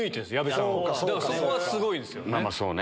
そこはすごいですよね。